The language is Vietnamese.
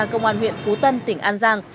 công an huyện phú tân tỉnh an giang